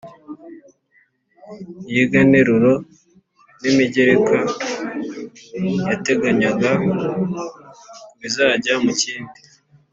iyiganteruro n’imigereka yateganyaga ko bizajya mu kindi